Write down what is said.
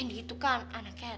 candy itu kan anaknya